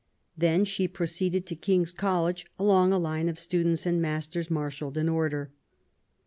Then she proceeded to King's College, along a line of students and masters, marshalled in order.